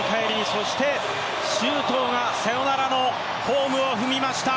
そして周東がサヨナラのホームを踏みました。